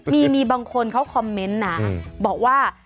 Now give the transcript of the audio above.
มีบางคนเขาคอมเมนต์นะบอกว่า